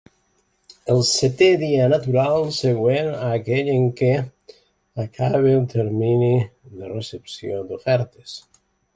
El seté dia natural següent a aquell en què acabe el termini de recepció d'ofertes.